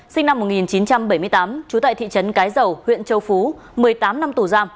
sinh năm một nghìn chín trăm bảy mươi tám trú tại thị trấn cái dầu huyện châu phú một mươi tám năm tù giam